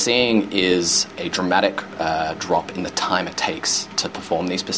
perangkat yang dramatik dalam waktu yang diperlukan untuk melakukan proses ini